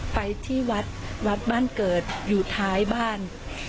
ไปที่วัดวัดบ้านเกิดอยู่ท้ายบ้าน